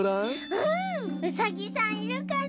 うんうさぎさんいるかな？